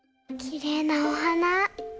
きれいなおはな。